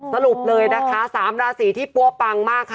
สรุปเลยนะคะ๓ราศีที่ปั๊วปังมากค่ะ